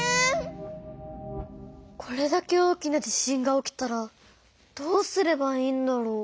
これだけ大きな地震が起きたらどうすればいいんだろう？